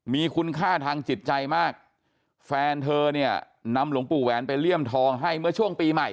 มีคุณค่าทางจิตใจมากแฟนเธอเนี่ยนำหลวงปู่แหวนไปเลี่ยมทองให้เมื่อช่วงปีใหม่